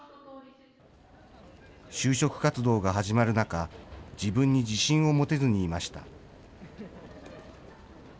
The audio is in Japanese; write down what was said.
就職活動が始まる中、自分に自信を持てずにいました。